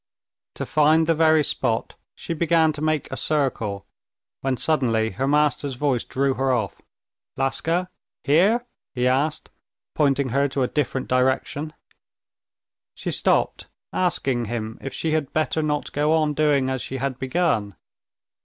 To find the very spot, she began to make a circle, when suddenly her master's voice drew her off. "Laska! here?" he asked, pointing her to a different direction. She stopped, asking him if she had better not go on doing as she had begun.